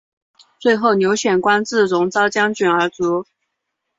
最后刘显官至戎昭将军而卒。